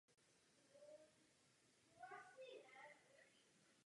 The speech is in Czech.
Starověká Římská říše pokrývala území západní Evropy a Středomoří na přelomu našeho letopočtu.